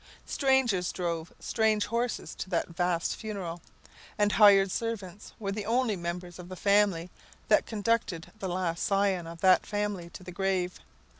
Strangers drove strange horses to that vast funeral, and hired servants were the only members of the family that conducted the last scion of that family to the grave.